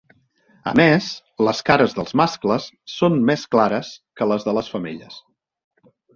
A més, les cares dels mascles són més clares que les de les femelles.